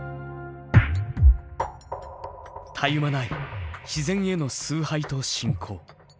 たゆまない自然への崇拝と信仰。